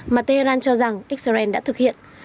mà tehran cho rằng xrn đã thực hiện